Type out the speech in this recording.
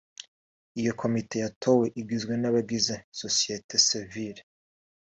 Iyo komite yatowe igizwe n’abagize sosiyete Sivile